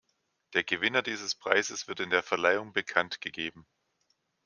Der Gewinner dieses Preises wird in der Verleihung bekanntgegeben.